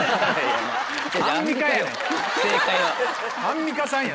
アンミカさんや。